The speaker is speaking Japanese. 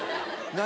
何？